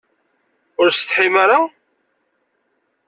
Ur tsetḥim ara?